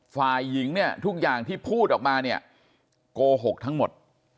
ฝ่ายหญิงเนี่ยทุกอย่างที่พูดออกมาเนี่ยโกหกทั้งหมด